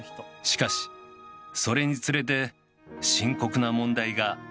しかしそれにつれて深刻な問題が立ち上がった。